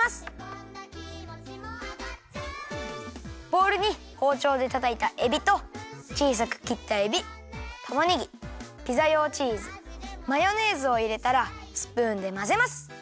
ボウルにほうちょうでたたいたえびとちいさくきったえびたまねぎピザ用チーズマヨネーズをいれたらスプーンでまぜます。